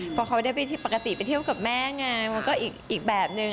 เพราะเขาได้ไปปกติไปเที่ยวกับแม่ไงมันก็อีกแบบนึง